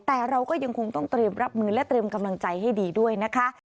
แต่เราก็ยังคงต้องเตรียมรับมือและเตรียมกำลังใจให้ดีด้วยนะคะ